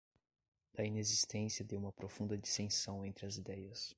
da inexistência de uma profunda dissenção entre as ideias